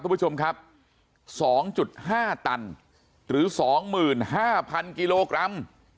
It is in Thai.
ท่านผู้ชมครับสองจุดห้าตันหรือสองหมื่นห้าพันกิโลกรัม